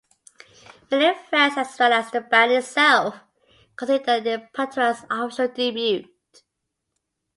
Many fans, as well as the band itself, consider it Pantera's "official" debut.